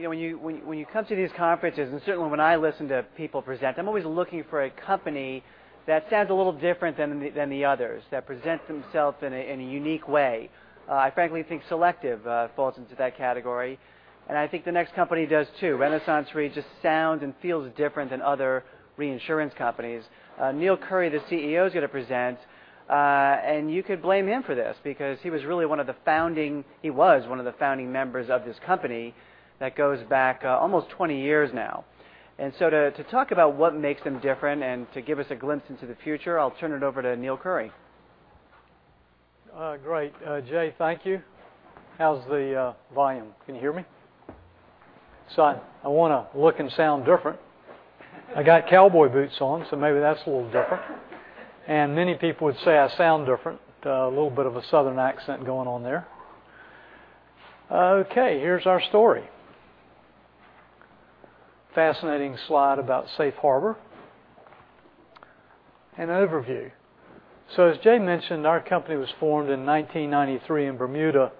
When you come to these conferences, certainly when I listen to people present, I am always looking for a company that sounds a little different than the others, that presents themselves in a unique way. I frankly think Selective falls into that category, and I think the next company does too. RenaissanceRe just sounds and feels different than other reinsurance companies. Neill Currie, the CEO, is going to present, and you could blame him for this because he was one of the founding members of this company that goes back almost 20 years now. To talk about what makes them different and to give us a glimpse into the future, I will turn it over to Neill Currie. Great. Jay, thank you. How is the volume? Can you hear me? I want to look and sound different. I got cowboy boots on, so maybe that is a little different. Many people would say I sound different, a little bit of a Southern accent going on there. Okay, here is our story. Fascinating slide about Safe Harbor. An overview. As Jay mentioned, our company was formed in 1993 in Bermuda,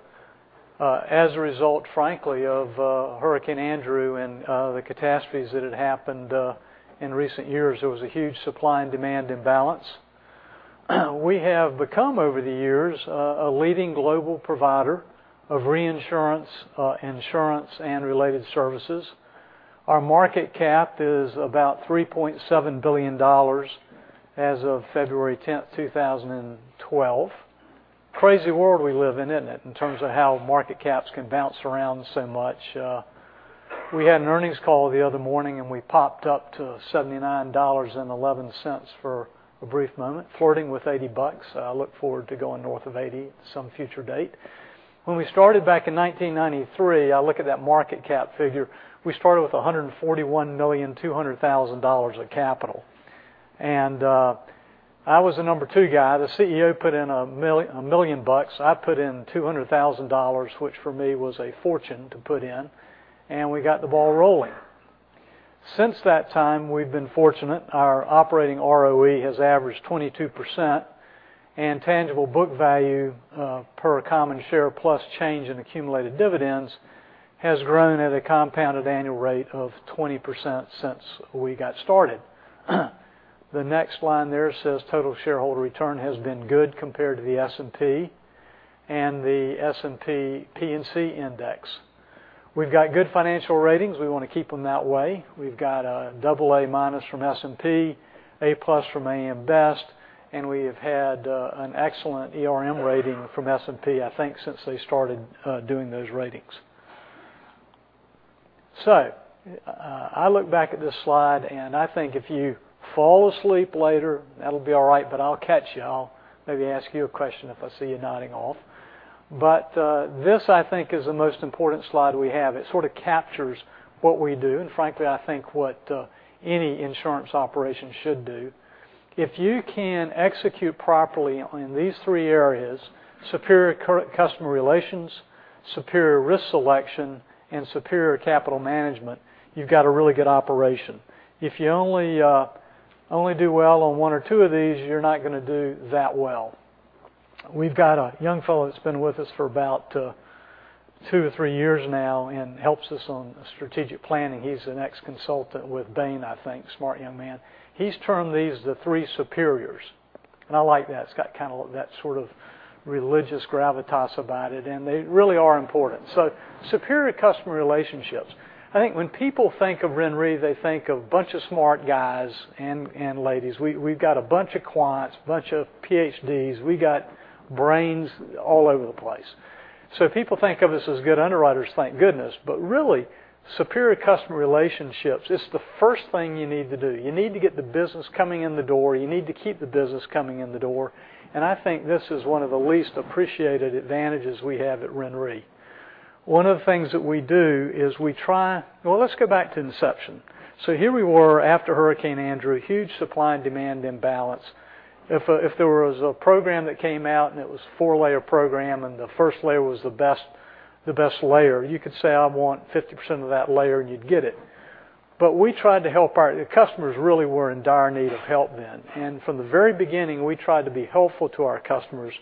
as a result, frankly, of Hurricane Andrew and the catastrophes that had happened in recent years. There was a huge supply and demand imbalance. We have become, over the years, a leading global provider of reinsurance, insurance, and related services. Our market cap is about $3.7 billion as of February 10th, 2012. Crazy world we live in, isn't it, in terms of how market caps can bounce around so much. We had an earnings call the other morning, we popped up to $79.11 for a brief moment, flirting with 80 bucks. I look forward to going north of 80 at some future date. When we started back in 1993, I look at that market cap figure, we started with $141,200,000 of capital. I was the number two guy. The CEO put in $1 million bucks. I put in $200,000, which for me was a fortune to put in, and we got the ball rolling. Since that time, we have been fortunate. Our operating ROE has averaged 22%, and tangible book value per common share plus change in accumulated dividends has grown at a compounded annual rate of 20% since we got started. The next line there says total shareholder return has been good compared to the S&P and the S&P P&C Index. We have got good financial ratings. We want to keep them that way. We have got a double A-minus from S&P, A+ from AM Best, we have had an excellent ERM rating from S&P, I think since they started doing those ratings. I look back at this slide, I think if you fall asleep later, that will be all right, but I will catch you. I will maybe ask you a question if I see you nodding off. This, I think, is the most important slide we have. It sort of captures what we do, and frankly, I think what any insurance operation should do. If you can execute properly in these three areas, superior customer relations, superior risk selection, and superior capital management, you have got a really good operation. If you only do well on one or two of these, you are not going to do that well. We've got a young fellow that's been with us for about two to three years now and helps us on strategic planning. He's an ex-consultant with Bain, I think. Smart young man. He's termed these the three superiors, and I like that. It's got kind of that sort of religious gravitas about it, and they really are important. Superior customer relationships. I think when people think of RenRe, they think of a bunch of smart guys and ladies. We've got a bunch of quants, bunch of Ph.D.s. We got brains all over the place. People think of us as good underwriters, thank goodness. Really, superior customer relationships, it's the first thing you need to do. You need to get the business coming in the door. You need to keep the business coming in the door. I think this is one of the least appreciated advantages we have at RenRe. One of the things that we do is, well, let's go back to inception. Here we were after Hurricane Andrew, huge supply and demand imbalance. If there was a program that came out and it was a four-layer program and the first layer was the best layer, you could say, "I want 50% of that layer," and you'd get it. The customers really were in dire need of help then. From the very beginning, we tried to be helpful to our customers,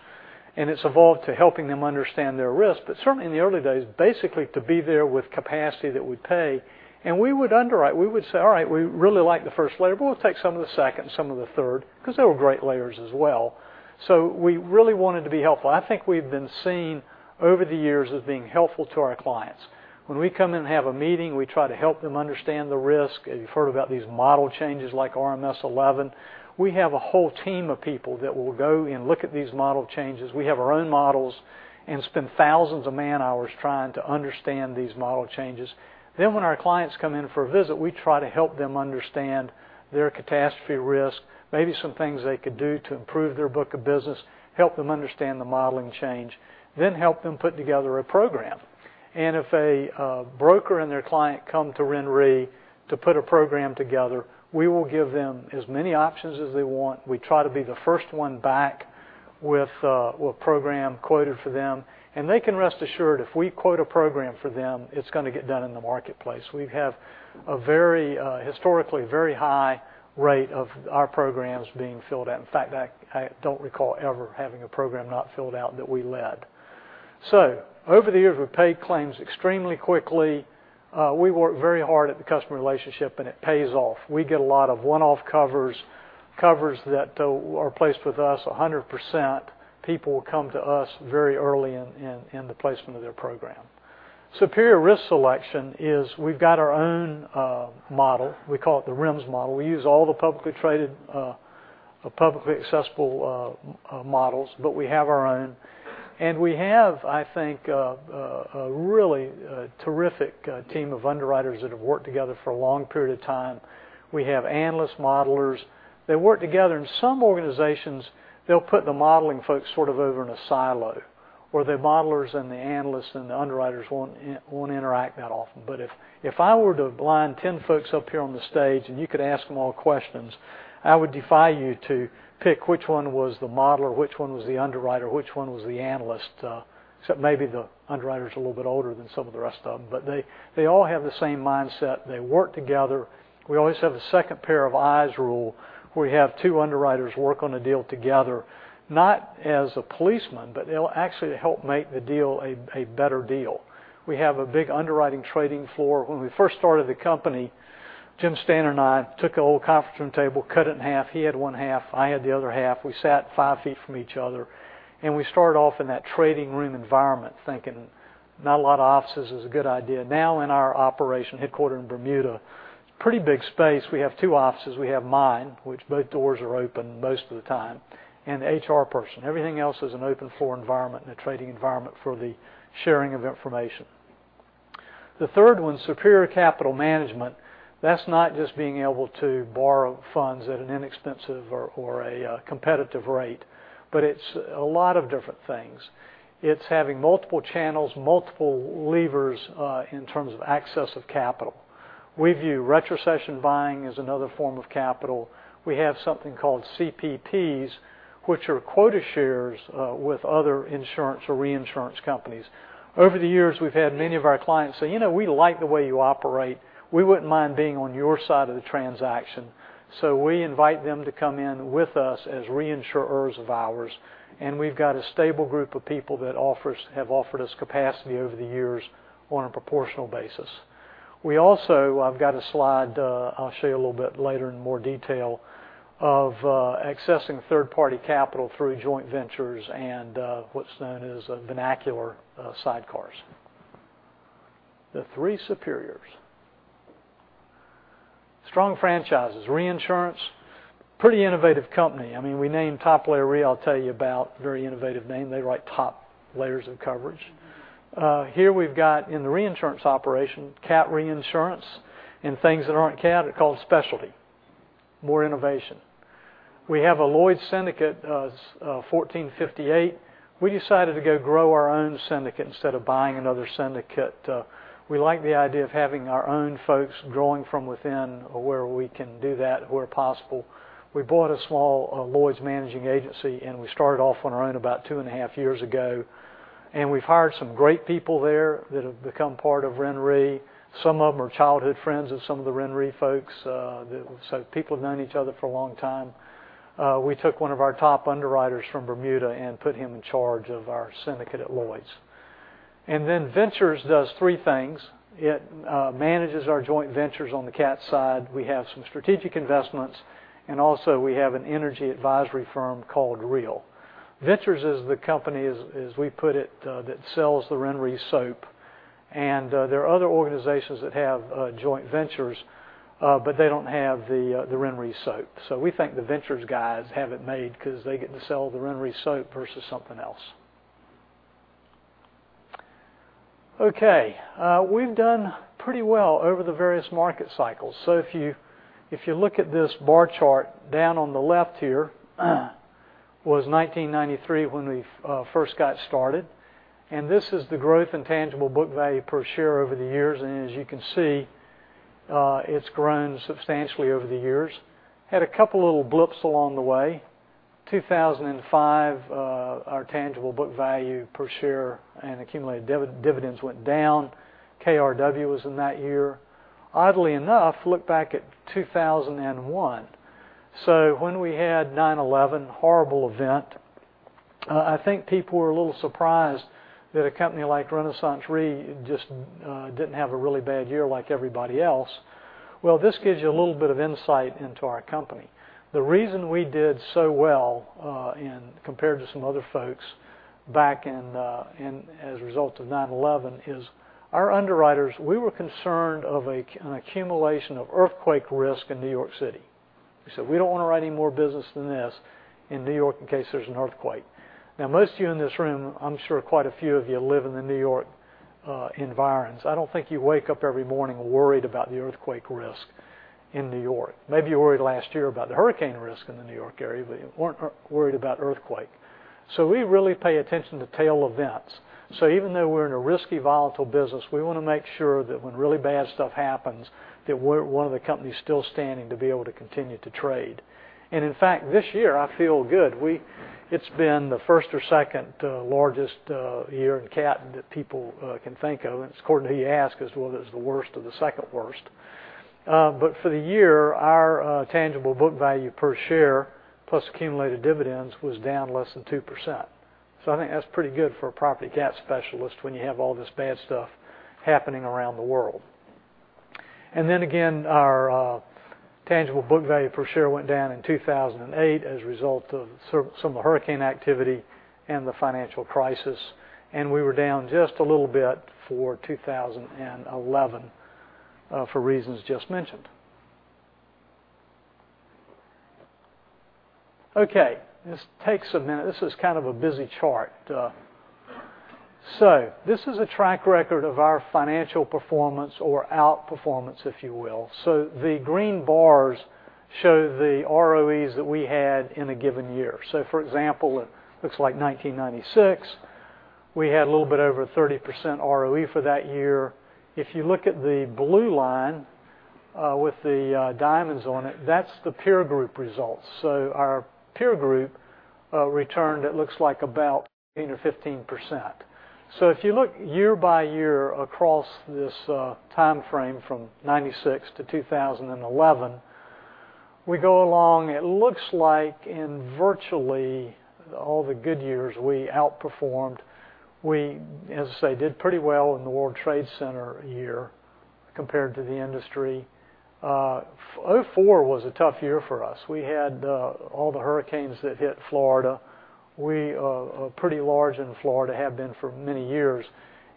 and it's evolved to helping them understand their risk. Certainly in the early days, basically to be there with capacity that would pay. We would underwrite. We would say, "All right, we really like the first layer, but we'll take some of the second, some of the third," because they were great layers as well. We really wanted to be helpful. I think we've been seen over the years as being helpful to our clients. When we come in and have a meeting, we try to help them understand the risk. You've heard about these model changes like RMS v11. We have a whole team of people that will go and look at these model changes. We have our own models and spend thousands of man-hours trying to understand these model changes. When our clients come in for a visit, we try to help them understand their catastrophe risk, maybe some things they could do to improve their book of business, help them understand the modeling change, help them put together a program. If a broker and their client come to RenRe to put a program together, we will give them as many options as they want. We try to be the first one back with a program quoted for them. They can rest assured if we quote a program for them, it's going to get done in the marketplace. We have a historically very high rate of our programs being filled out. In fact, I don't recall ever having a program not filled out that we led. Over the years, we've paid claims extremely quickly. We work very hard at the customer relationship, and it pays off. We get a lot of one-off covers that are placed with us 100%. People come to us very early in the placement of their program. Superior risk selection is we've got our own model. We call it the REMS model. We use all the publicly traded, publicly accessible models, but we have our own. We have, I think, a really terrific team of underwriters that have worked together for a long period of time. We have analyst modelers. They work together. In some organizations, they'll put the modeling folks sort of over in a silo where the modelers and the analysts and the underwriters won't interact that often. If I were to blind 10 folks up here on the stage and you could ask them all questions, I would defy you to pick which one was the modeler, which one was the underwriter, which one was the analyst except maybe the underwriter's a little bit older than some of the rest of them. They all have the same mindset. They work together. We always have a second pair of eyes rule. We have two underwriters work on a deal together, not as a policeman, but they'll actually help make the deal a better deal. We have a big underwriting trading floor. When we first started the company, Jim Stanard and I took an old conference room table, cut it in half. He had one half, I had the other half. We sat five feet from each other, and we started off in that trading room environment thinking not a lot of offices is a good idea. In our operation headquarter in Bermuda, pretty big space. We have two offices. We have mine, which both doors are open most of the time, and the HR person. Everything else is an open floor environment and a trading environment for the sharing of information. The third one, superior capital management. That's not just being able to borrow funds at an inexpensive or a competitive rate, but it's a lot of different things. It's having multiple channels, multiple levers, in terms of access of capital. We view retrocession buying as another form of capital. We have something called CPPs, which are quota shares with other insurance or reinsurance companies. Over the years, we've had many of our clients say, "We like the way you operate. We wouldn't mind being on your side of the transaction." We invite them to come in with us as reinsurers of ours, and we've got a stable group of people that have offered us capacity over the years on a proportional basis. I've got a slide I'll show you a little bit later in more detail of accessing third-party capital through joint ventures and what's known as vernacular sidecars. The three superiors. Strong franchises. Reinsurance, pretty innovative company. We named Top Layer Re I'll tell you about. Very innovative name. They write top layers of coverage. Here we've got in the reinsurance operation, cat reinsurance, and things that aren't cat are called specialty. More innovation. We have a Lloyd's syndicate, 1458. We decided to go grow our own syndicate instead of buying another syndicate. We like the idea of having our own folks growing from within where we can do that where possible. We bought a small Lloyd's managing agency, and we started off on our own about two and a half years ago, and we've hired some great people there that have become part of RenRe. Some of them are childhood friends of some of the RenRe folks, people have known each other for a long time. We took one of our top underwriters from Bermuda and put him in charge of our syndicate at Lloyd's. Ventures does three things. It manages our joint ventures on the cat side. We have some strategic investments, and also we have an energy advisory firm called REAL. Ventures is the company, as we put it, that sells the RenRe soap, and there are other organizations that have joint ventures, but they don't have the RenRe soap. We think the Ventures guys have it made because they get to sell the RenRe soap versus something else. Okay. We've done pretty well over the various market cycles. If you look at this bar chart down on the left here was 1993 when we first got started, this is the growth in tangible book value per share over the years, as you can see, it's grown substantially over the years. Had a couple little blips along the way. 2005 our tangible book value per share and accumulated dividends went down. KRW was in that year. Oddly enough, look back at 2001. When we had 9/11, horrible event, I think people were a little surprised that a company like RenaissanceRe just didn't have a really bad year like everybody else. Well, this gives you a little bit of insight into our company. The reason we did so well compared to some other folks back as a result of 9/11 is our underwriters, we were concerned of an accumulation of earthquake risk in New York City. We said, "We don't want to write any more business than this in New York in case there's an earthquake." Now, most of you in this room, I'm sure quite a few of you live in the New York environs. I don't think you wake up every morning worried about the earthquake risk in New York. Maybe you worried last year about the hurricane risk in the New York area, but you weren't worried about earthquake. We really pay attention to tail events. Even though we're in a risky, volatile business, we want to make sure that when really bad stuff happens, that we're one of the companies still standing to be able to continue to trade. In fact, this year I feel good. It's been the first or second largest year in cat that people can think of, it's according to who you ask as well it's the worst or the second worst. For the year, our tangible book value per share, plus accumulated dividends, was down less than 2%. I think that's pretty good for a property cat specialist when you have all this bad stuff happening around the world. Again, our tangible book value per share went down in 2008 as a result of some of the hurricane activity and the financial crisis, we were down just a little bit for 2011 for reasons just mentioned. Okay, this takes a minute. This is kind of a busy chart. This is a track record of our financial performance or outperformance, if you will. The green bars show the ROEs that we had in a given year. For example, it looks like 1996, we had a little bit over 30% ROE for that year. If you look at the blue line with the diamonds on it, that's the peer group results. Our peer group returned, it looks like about 15%. If you look year by year across this timeframe from 1996 to 2011, we go along, it looks like in virtually all the good years we outperformed. We, as I say, did pretty well in the World Trade Center year compared to the industry. 2004 was a tough year for us. We had all the hurricanes that hit Florida. We are pretty large in Florida, have been for many years.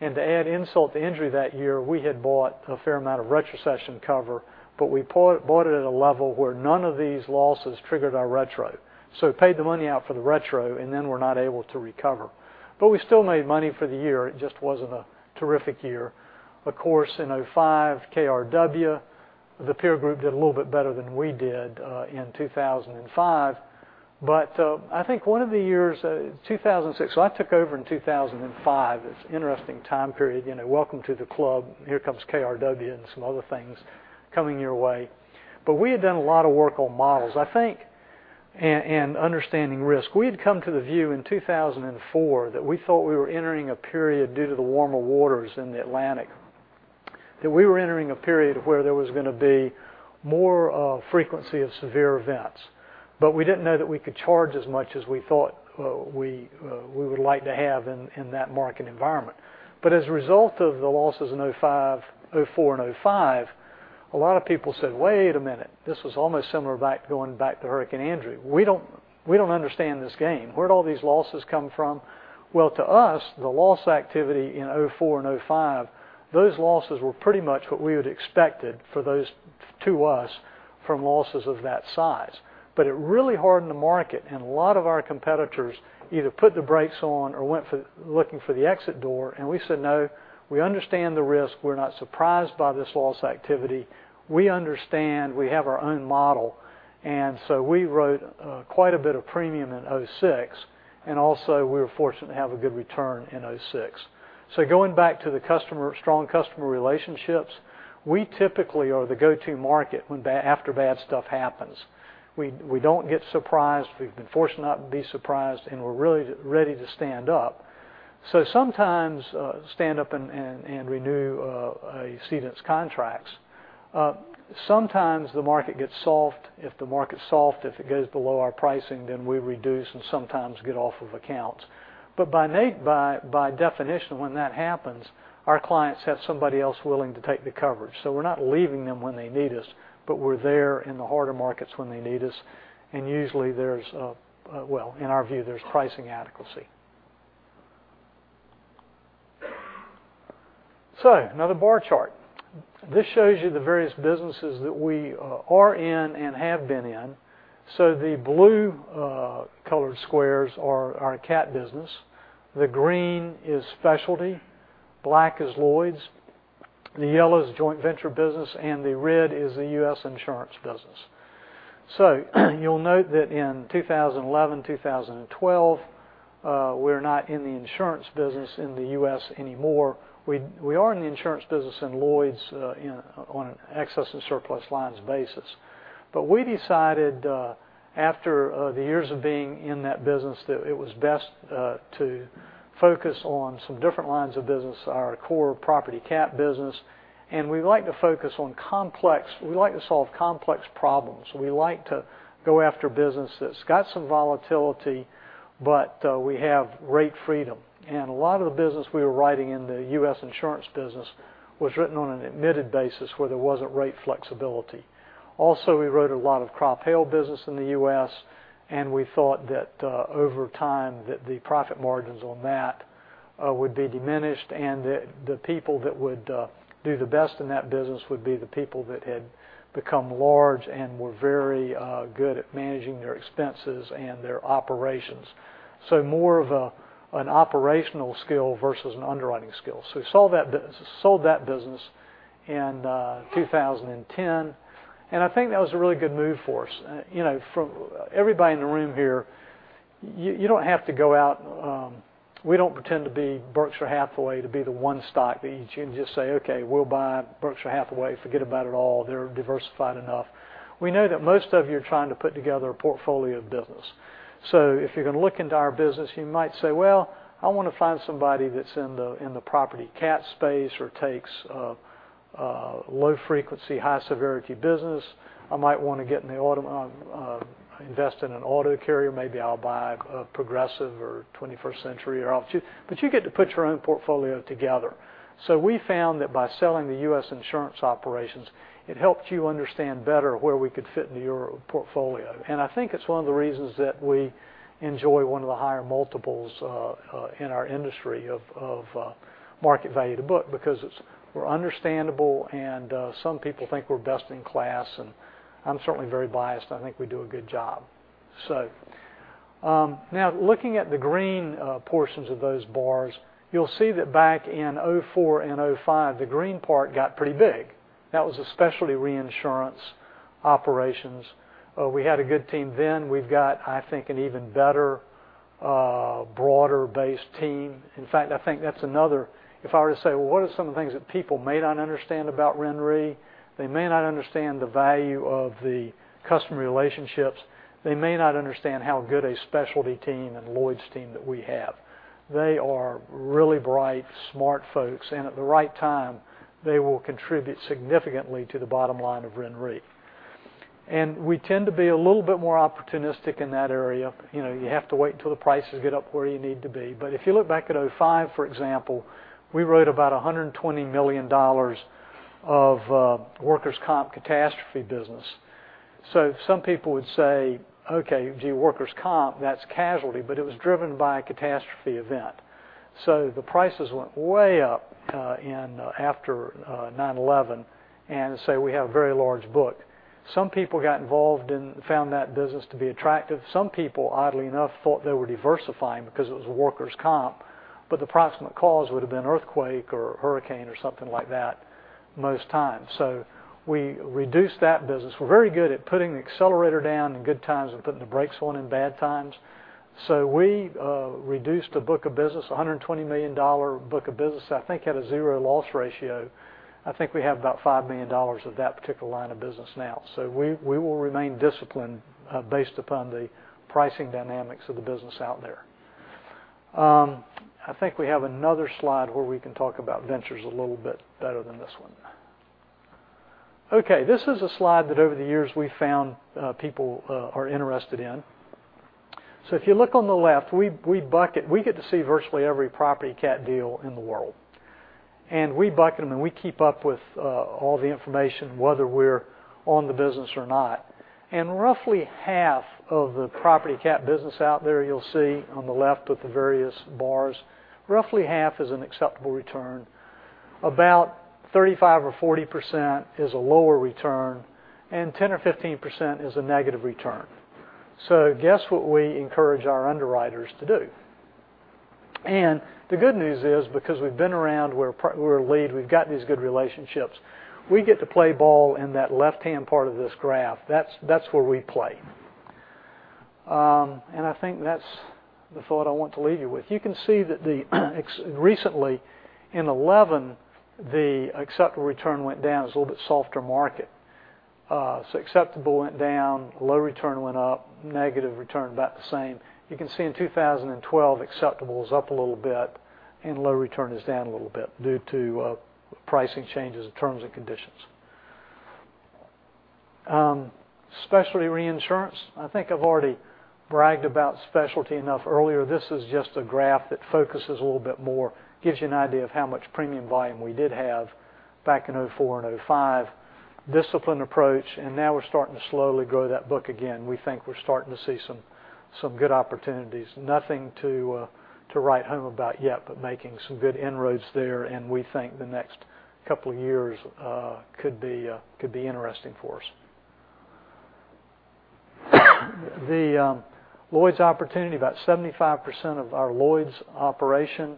To add insult to injury that year, we had bought a fair amount of retrocession cover, but we bought it at a level where none of these losses triggered our retro. We paid the money out for the retro and then were not able to recover. We still made money for the year. It just wasn't a terrific year. Of course, in 2005, KRW, the peer group did a little bit better than we did in 2005. I think one of the years, I took over in 2005. It's an interesting time period. Welcome to the club. Here comes KRW and some other things coming your way. We had done a lot of work on models, I think, and understanding risk. We had come to the view in 2004 that we thought we were entering a period due to the warmer waters in the Atlantic, that we were entering a period of where there was going to be more frequency of severe events. We didn't know that we could charge as much as we thought we would like to have in that market environment. As a result of the losses in 2004 and 2005, a lot of people said, "Wait a minute." This was almost similar going back to Hurricane Andrew. We don't understand this game. Where'd all these losses come from? To us, the loss activity in 2004 and 2005, those losses were pretty much what we would expected to us from losses of that size. It really hardened the market, and a lot of our competitors either put the brakes on or went looking for the exit door, we said, "No, we understand the risk. We're not surprised by this loss activity. We understand. We have our own model." We wrote quite a bit of premium in 2006, and also, we were fortunate to have a good return in 2006. Going back to the strong customer relationships, we typically are the go-to market after bad stuff happens. We don't get surprised. We've been fortunate not to be surprised, and we're ready to stand up. Sometimes stand up and renew a cedent's contracts. Sometimes the market gets soft. If the market's soft, if it goes below our pricing, we reduce and sometimes get off of accounts. By definition, when that happens, our clients have somebody else willing to take the coverage. We're not leaving them when they need us, but we're there in the harder markets when they need us, and usually there's, well, in our view, there's pricing adequacy. Another bar chart. This shows you the various businesses that we are in and have been in. The blue-colored squares are our cat business. The green is specialty. Black is Lloyd's. The yellow is joint venture business, and the red is the U.S. insurance business. You'll note that in 2011, 2012, we're not in the insurance business in the U.S. anymore. We are in the insurance business in Lloyd's on an excess and surplus lines basis. We decided after the years of being in that business that it was best to focus on some different lines of business, our core property cat business, and we like to solve complex problems. We like to go after business that's got some volatility, but we have rate freedom. A lot of the business we were writing in the U.S. insurance business was written on an admitted basis where there wasn't rate flexibility. Also, we wrote a lot of crop hail business in the U.S., and we thought that over time, that the profit margins on that would be diminished and that the people that would do the best in that business would be the people that had become large and were very good at managing their expenses and their operations. More of an operational skill versus an underwriting skill. We sold that business in 2010, and I think that was a really good move for us. Everybody in the room here, we don't pretend to be Berkshire Hathaway, to be the one stock that you can just say, "Okay, we'll buy Berkshire Hathaway. Forget about it all. They're diversified enough." We know that most of you are trying to put together a portfolio of business. If you're going to look into our business, you might say, "Well, I want to find somebody that's in the property cat space or takes a low frequency, high severity business. I might want to invest in an auto carrier. Maybe I'll buy Progressive or 21st Century." You get to put your own portfolio together. We found that by selling the U.S. insurance operations, it helped you understand better where we could fit into your portfolio. I think it's one of the reasons that we enjoy one of the higher multiples in our industry of market value to book, because we're understandable and some people think we're best in class, and I'm certainly very biased. I think we do a good job. Now looking at the green portions of those bars, you'll see that back in 2004 and 2005, the green part got pretty big. That was the specialty reinsurance operations. We had a good team then. We've got, I think, an even better, broader-based team. In fact, if I were to say, well, what are some of the things that people may not understand about RenRe? They may not understand the value of the customer relationships. They may not understand how good a specialty team and Lloyd's team that we have. They are really bright, smart folks, and at the right time, they will contribute significantly to the bottom line of RenRe. We tend to be a little bit more opportunistic in that area. You have to wait until the prices get up where you need to be. If you look back at 2005, for example, we wrote about $120 million of workers' comp catastrophe business. Some people would say, "Okay, gee, workers' comp, that's casualty," but it was driven by a catastrophe event. The prices went way up after 9/11, and we have a very large book. Some people got involved and found that business to be attractive. Some people, oddly enough, thought they were diversifying because it was a workers' comp, but the proximate cause would've been earthquake or hurricane or something like that most times. We reduced that business. We're very good at putting the accelerator down in good times and putting the brakes on in bad times. We reduced a book of business, $120 million book of business, I think, at a zero loss ratio. I think we have about $5 million of that particular line of business now. We will remain disciplined based upon the pricing dynamics of the business out there. I think we have another slide where we can talk about ventures a little bit better than this one. This is a slide that over the years we've found people are interested in. If you look on the left, we get to see virtually every property cat deal in the world, and we bucket them and we keep up with all the information, whether we're on the business or not. Roughly half of the property cat business out there, you'll see on the left with the various bars, roughly half is an acceptable return. About 35% or 40% is a lower return, and 10% or 15% is a negative return. Guess what we encourage our underwriters to do? The good news is, because we've been around, we're a lead, we've got these good relationships, we get to play ball in that left-hand part of this graph. That's where we play. I think that's the thought I want to leave you with. You can see that recently in 2011, the acceptable return went down. It was a little bit softer market. Acceptable went down, low return went up, negative return about the same. You can see in 2012, acceptable is up a little bit, and low return is down a little bit due to pricing changes and terms and conditions. Specialty reinsurance, I think I've already bragged about specialty enough earlier. This is just a graph that focuses a little bit more, gives you an idea of how much premium volume we did have back in 2004 and 2005. Disciplined approach, now we're starting to slowly grow that book again. We think we're starting to see some good opportunities. Nothing to write home about yet, but making some good inroads there, and we think the next couple of years could be interesting for us. The Lloyd's opportunity, about 75% of our Lloyd's operation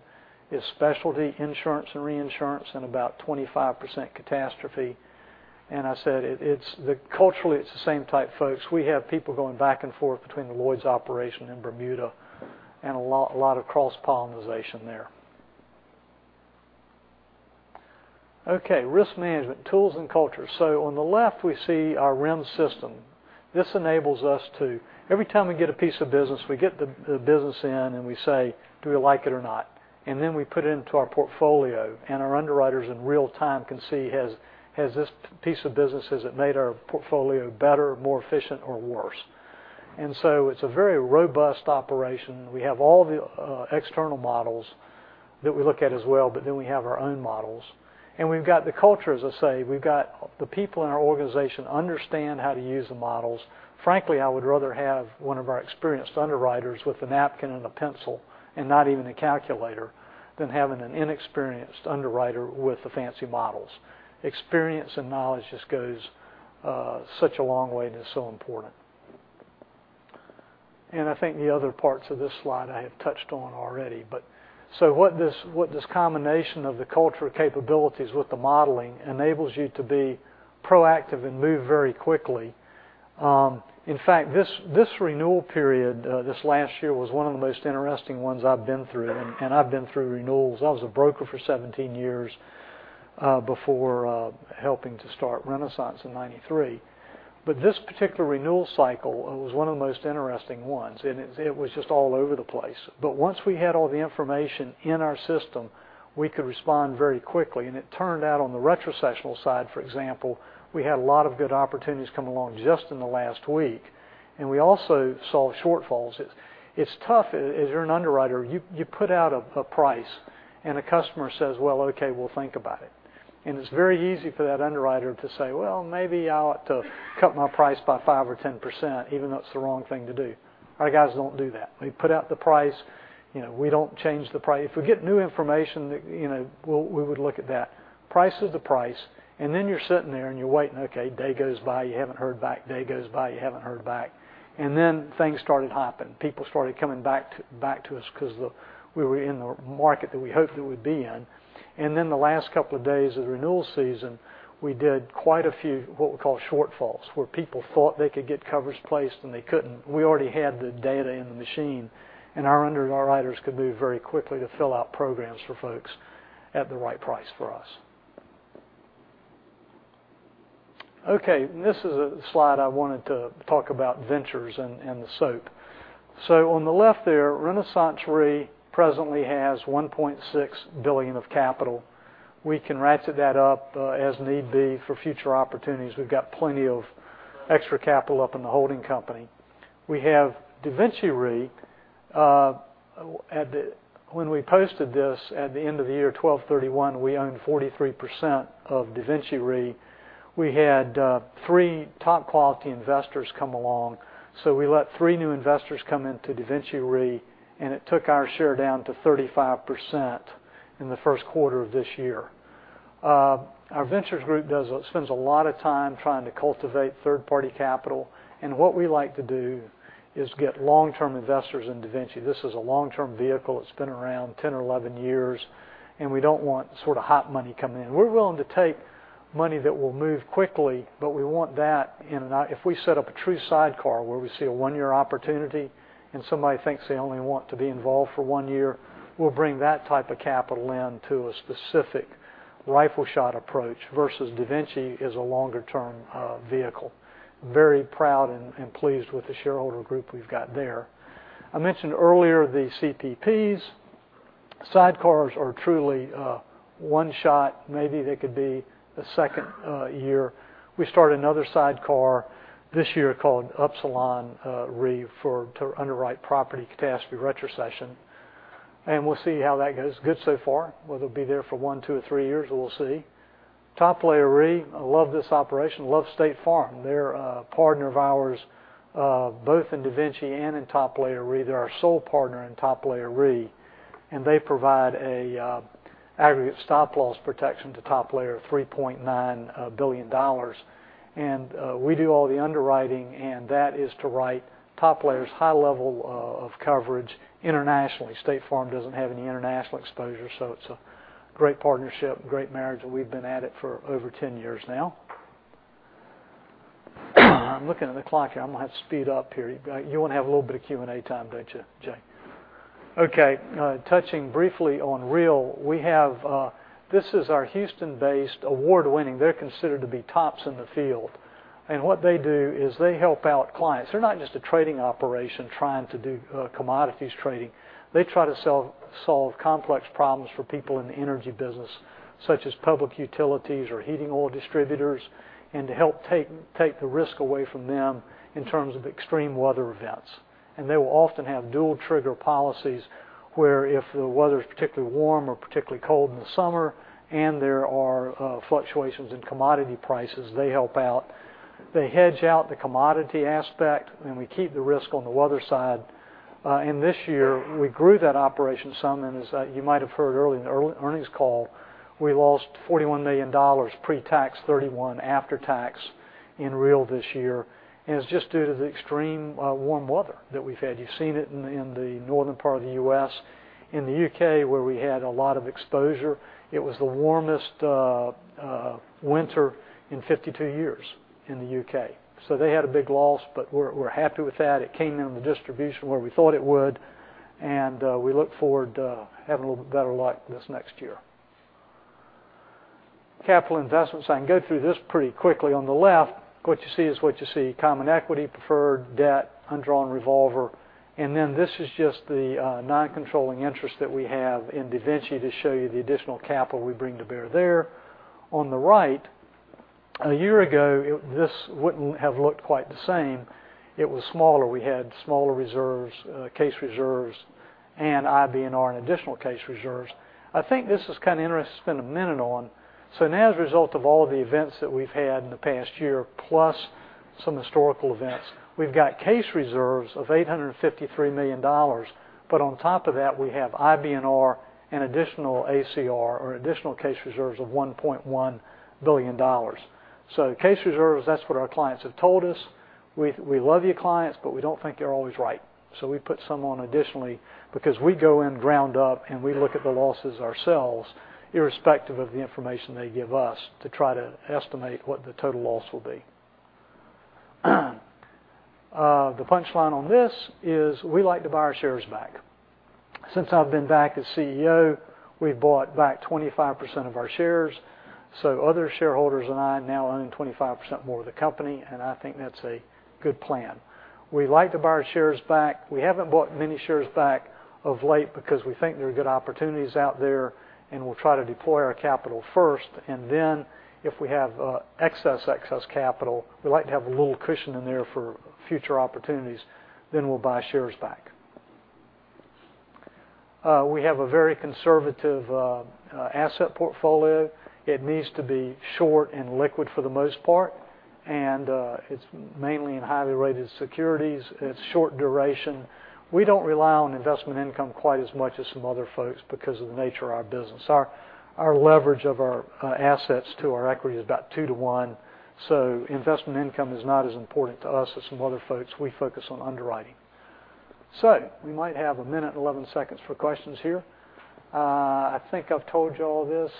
is specialty insurance and reinsurance and about 25% catastrophe. I said, culturally, it's the same type folks. We have people going back and forth between the Lloyd's operation and Bermuda and a lot of cross-pollinization there. Risk management, tools, and culture. On the left, we see our Ren system. Every time we get a piece of business, we get the business in and we say, "Do we like it or not?" We put it into our portfolio, and our underwriters in real time can see, has this piece of business made our portfolio better, more efficient, or worse? It's a very robust operation. We have all the external models that we look at as well, but we have our own models. We've got the culture, as I say. We've got the people in our organization understand how to use the models. Frankly, I would rather have one of our experienced underwriters with a napkin and a pencil and not even a calculator than having an inexperienced underwriter with the fancy models. Experience and knowledge just goes such a long way and is so important. I think the other parts of this slide I have touched on already. What this combination of the culture capabilities with the modeling enables you to be proactive and move very quickly. In fact, this renewal period this last year was one of the most interesting ones I've been through, and I've been through renewals. I was a broker for 17 years before helping to start RenaissanceRe in 1993. This particular renewal cycle was one of the most interesting ones, and it was just all over the place. Once we had all the information in our system, we could respond very quickly, and it turned out on the retrocessional side, for example, we had a lot of good opportunities come along just in the last week, and we also saw shortfalls. It's tough if you're an underwriter. You put out a price, and a customer says, "Well, okay. We'll think about it." It's very easy for that underwriter to say, "Well, maybe I ought to cut my price by 5% or 10%," even though it's the wrong thing to do. Our guys don't do that. We put out the price. We don't change the price. If we get new information, we would look at that. Price is the price, you're sitting there and you're waiting. Day goes by, you haven't heard back. Day goes by, you haven't heard back. Things started happening. People started coming back to us because we were in the market that we hoped that we'd be in. The last couple of days of the renewal season, we did quite a few, what we call shortfalls, where people thought they could get coverage placed, and they couldn't. We already had the data in the machine, and our underwriters could move very quickly to fill out programs for folks at the right price for us. This is a slide I wanted to talk about ventures and the soap. On the left there, RenaissanceRe presently has $1.6 billion of capital. We can ratchet that up as need be for future opportunities. We've got plenty of extra capital up in the holding company. We have DaVinci Re. When we posted this at the end of the year 12/31, we owned 43% of DaVinci Re. We had three top-quality investors come along, so we let three new investors come into DaVinci Re, and it took our share down to 35% in the first quarter of this year. Our ventures group spends a lot of time trying to cultivate third-party capital, and what we like to do is get long-term investors in DaVinci. This is a long-term vehicle. It's been around 10 or 11 years, and we don't want hot money coming in. We're willing to take money that will move quickly. We want that in a If we set up a true sidecar where we see a one-year opportunity and somebody thinks they only want to be involved for one year, we'll bring that type of capital in to a specific rifle shot approach versus DaVinci is a longer-term vehicle. Very proud and pleased with the shareholder group we've got there. I mentioned earlier the CPPs. Sidecars are truly a one-shot, maybe they could be a second year. We started another sidecar this year called Upsilon Re to underwrite property catastrophe retrocession. We'll see how that goes. Good so far. Whether it'll be there for one, two, or three years, we'll see. Top Layer Re, I love this operation. Love State Farm. They're a partner of ours, both in DaVinci and in Top Layer Re. They're our sole partner in Top Layer Re. They provide aggregate stop loss protection to Top Layer of $3.9 billion. We do all the underwriting, and that is to write Top Layer's high level of coverage internationally. State Farm doesn't have any international exposure, it's a great partnership and great marriage, and we've been at it for over 10 years now. I'm looking at the clock here. I'm going to have to speed up here. You want to have a little bit of Q&A time, don't you, Jay? Okay. Touching briefly on REAL. This is our Houston-based award-winning. They're considered to be tops in the field. What they do is they help out clients. They're not just a trading operation trying to do commodities trading. They try to solve complex problems for people in the energy business, such as public utilities or heating oil distributors, and to help take the risk away from them in terms of extreme weather events. They will often have dual trigger policies where if the weather's particularly warm or particularly cold in the summer and there are fluctuations in commodity prices, they help out. They hedge out the commodity aspect, and we keep the risk on the weather side. This year we grew that operation some, and as you might have heard early in the earnings call, we lost $41 million pre-tax, $31 after tax in REAL this year. It's just due to the extreme warm weather that we've had. You've seen it in the northern part of the U.S. In the U.K., where we had a lot of exposure, it was the warmest winter in 52 years in the U.K. They had a big loss, but we're happy with that. It came in the distribution where we thought it would. We look forward to having a little bit better luck this next year. Capital investments. I can go through this pretty quickly. On the left, what you see is what you see, common equity, preferred, debt, undrawn revolver. This is just the non-controlling interest that we have in DaVinci to show you the additional capital we bring to bear there. On the right, a year ago, this wouldn't have looked quite the same. It was smaller. We had smaller reserves, case reserves, and IBNR and additional case reserves. I think this is kind of interesting to spend one minute on. Now as a result of all the events that we've had in the past year, plus some historical events, we've got case reserves of $853 million. On top of that, we have IBNR and additional ACR or additional case reserves of $1.1 billion. Case reserves, that's what our clients have told us. We love you clients, but we don't think you're always right. We put some on additionally because we go in ground up and we look at the losses ourselves irrespective of the information they give us to try to estimate what the total loss will be. The punchline on this is we like to buy our shares back. Since I've been back as CEO, we've bought back 25% of our shares. Other shareholders and I now own 25% more of the company. I think that's a good plan. We like to buy our shares back. We haven't bought many shares back of late because we think there are good opportunities out there. We'll try to deploy our capital first. If we have excess capital, we like to have a little cushion in there for future opportunities, we'll buy shares back. We have a very conservative asset portfolio. It needs to be short and liquid for the most part. It's mainly in highly rated securities. It's short duration. We don't rely on investment income quite as much as some other folks because of the nature of our business. Our leverage of our assets to our equity is about 2 to 1, so investment income is not as important to us as some other folks. We focus on underwriting. We might have one minute and 11 seconds for questions here. I think I've told you all this.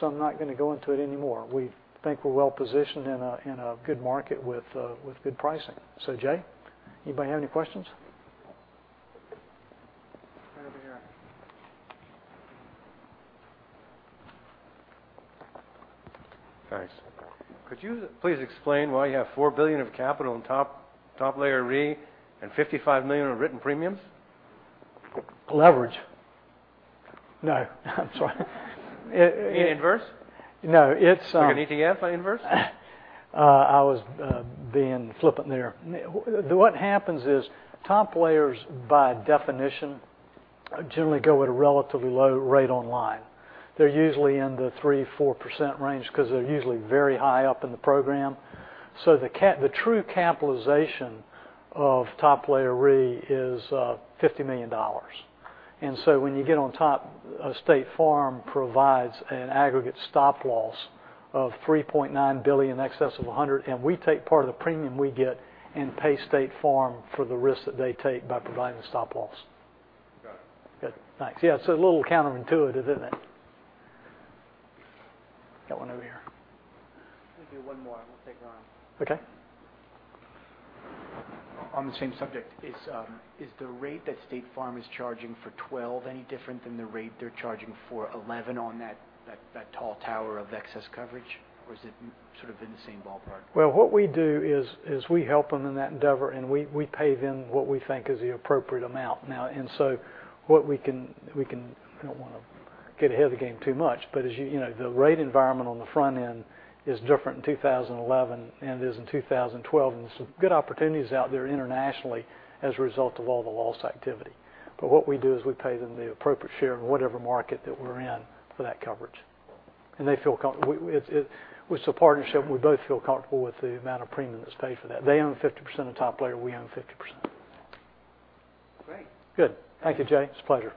I'm not going to go into it anymore. We think we're well-positioned in a good market with good pricing. Jay, anybody have any questions? Right over here. Thanks. Could you please explain why you have $4 billion of capital in Top Layer Re and $55 million of written premiums? Leverage. No, I'm just kidding. You mean inverse? No. Like an ETF, an inverse? I was being flippant there. What happens is top layers, by definition, generally go at a relatively low rate on line. They're usually in the 3%-4% range because they're usually very high up in the program. The true capitalization of Top Layer Re is $50 million. When you get on top, State Farm provides an aggregate stop loss of $3.9 billion excess of $100, and we take part of the premium we get and pay State Farm for the risk that they take by providing the stop loss. Got it. Good. Thanks. Yeah, it's a little counterintuitive, isn't it? Got one over here. We'll do one more, and we'll take one. Okay. On the same subject, is the rate that State Farm is charging for 2012 any different than the rate they're charging for 2011 on that tall tower of excess coverage? Is it sort of in the same ballpark? Well, what we do is we help them in that endeavor, and we pay them what we think is the appropriate amount now. I don't want to get ahead of the game too much, as you know, the rate environment on the front end is different in 2011 than it is in 2012. There's some good opportunities out there internationally as a result of all the loss activity. What we do is we pay them the appropriate share in whatever market that we're in for that coverage. They feel comfortable. It's a partnership. We both feel comfortable with the amount of premium that's paid for that. They own 50% of Top Layer. We own 50%. Great. Good. Thank you, Jay. It's a pleasure.